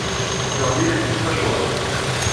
Teɣli-yak tmacwart.